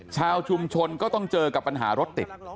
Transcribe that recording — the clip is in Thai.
ชาวชุมชนก็ต้องเจอกับปัญหารถติด